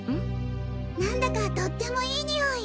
何だかとってもいいにおい。